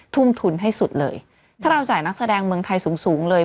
ทุ่มทุนให้สุดเลยถ้าเราจ่ายนักแสดงเมืองไทยสูงสูงเลย